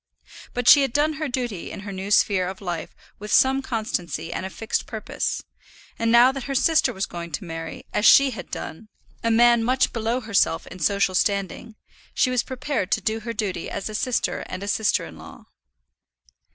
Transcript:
But she had done her duty in her new sphere of life with some constancy and a fixed purpose; and now that her sister was going to marry, as she had done, a man much below herself in social standing, she was prepared to do her duty as a sister and a sister in law.